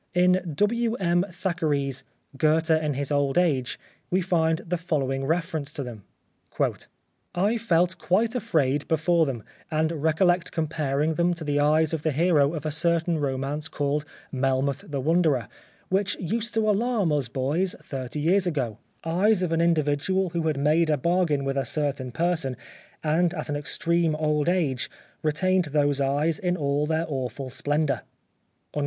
In W. M. Thackeray's " Goethe in his Old Age " we find the following reference to them :—" I felt quite afraid before them, and recollect comparing them to the eyes of the hero of a certain romance called " Melmoth the Wan derer," which used to alarm us boys thirty years ago ; eyes of an individual who had made 39 The Life of Oscar Wilde a bargain with a certain person, and at an ex treme old age retained those eyes in all their awful splendour."